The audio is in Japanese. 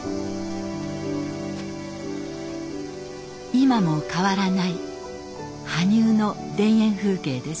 今も変わらない羽生の田園風景です。